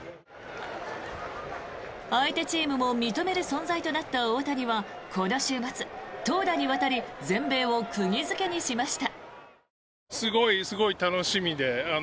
相手チームも認める存在となった大谷はこの週末、投打にわたり全米を釘付けにしました。